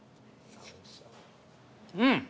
うん。